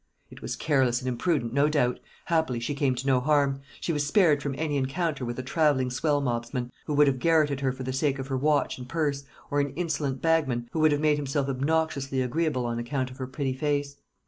"It was careless and imprudent, no doubt. Happily she came to no harm. She was spared from any encounter with a travelling swell mobsman, who would have garotted her for the sake of her watch and purse, or an insolent bagman, who would have made himself obnoxiously agreeable on account of her pretty face."